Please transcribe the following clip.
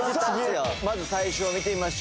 さあまず最初見てみましょう。